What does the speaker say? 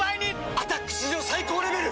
「アタック」史上最高レベル！